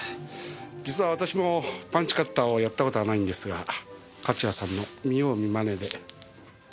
実は私もパンチカッターをやった事がないんですが勝谷さんの見よう見まねで。